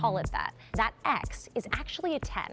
yang x itu sebenarnya itu iphone x